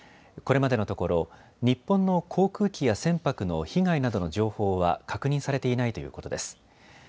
これまでのところ日本の航空機や船舶の被害などの情報は確認されていないということです。